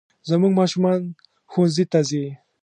زموږ ماشومان ښوونځي ته ځي